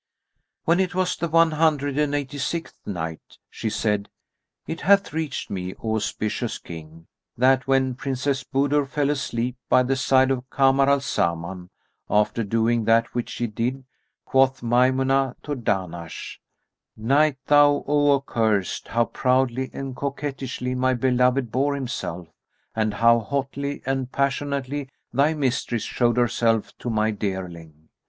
When it was the One hundred and Eighty sixth Night, She said, It hath reached me, O auspicious King, that when Princess Budur fell asleep by the side of Kamar al Zaman, after doing that which she did, quoth Maymunah to Dahnash, Night thou, O accursed, how proudly and coquettishly my beloved bore himself, and how hotly and passionately thy mistress showed herself to my dearling?